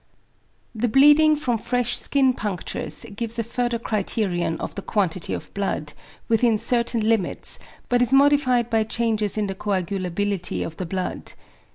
The bleeding from fresh skin punctures gives a further criterion of the quantity of blood, within certain limits, but is modified by changes in the coagulability of the blood.